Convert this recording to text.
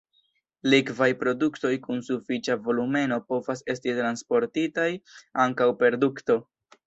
Likvaj produktoj kun sufiĉa volumeno povas esti transportitaj ankaŭ per dukto.